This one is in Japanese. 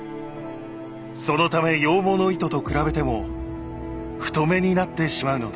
そのため羊毛の糸と比べても太めになってしまうのです。